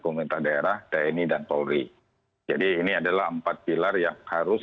pemerintah daerah tni dan polri jadi ini adalah empat pilar yang harus